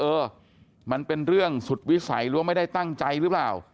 เออมันเป็นเรื่องสุดวิสัยหรือว่าไม่ได้ตั้งใจหรือเปล่า